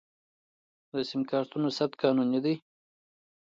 د سم کارتونو ثبت قانوني دی؟